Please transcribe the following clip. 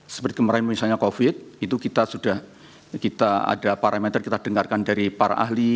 seperti kemarin misalnya covid itu kita sudah kita ada parameter kita dengarkan dari para ahli